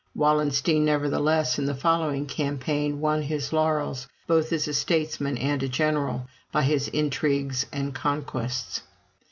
Wallenstein, nevertheless, in the following campaign, won his laurels, both as a statesman and a general, by his intrigues and conquests.